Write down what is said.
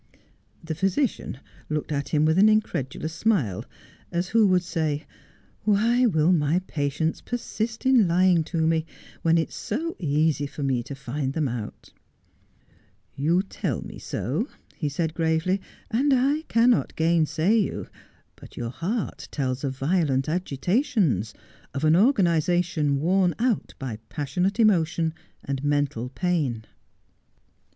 The physician looked at him with an incredulous smile, as who would say, ' Why will my patients persist in lying to me, when it is so easy for me to find them out 1 '' You tell me so,' he said gravely, 'and I cannot gainsay you ; but your heart tells of violent agitations — of an organization worn out by passionate emotion and mental pain.'